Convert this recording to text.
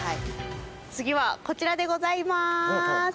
次はこちらでございまーす